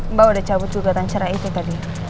mbak udah cabut juga tancerai itu tadi